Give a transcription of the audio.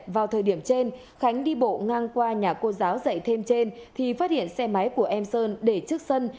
vào thời điểm trên khánh đi bộ ngang qua nhà cô giáo dạy thêm trên thì phát hiện xe máy của em sơn để trước sân